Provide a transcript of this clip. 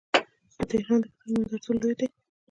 د تهران د کتاب نندارتون لوی دی.